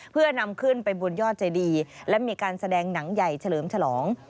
เพื่อนำขึ้นไปบนยอดเจดีและมีการแสดงหนังใหญ่เฉลิมฉลอง